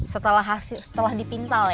setelah dipintal ya